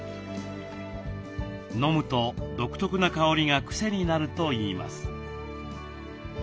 飲むと独特な香りがクセになるといいます。